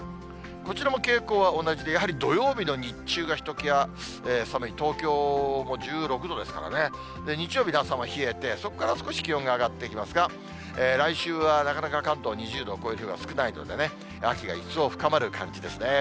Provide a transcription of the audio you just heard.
こちらも傾向は同じでやはり土曜日の日中がひときわ寒い、東京も１６度ですからね、日曜日の朝も冷えて、そこから少し気温が上がっていきますが、来週はなかなか関東２０度を超える日は少ないのでね、秋が一層深まる感じですね。